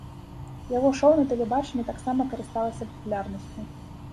Яго шоў на тэлебачанні таксама карысталася папулярнасцю.